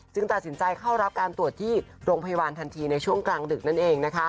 ตัดสินใจเข้ารับการตรวจที่โรงพยาบาลทันทีในช่วงกลางดึกนั่นเอง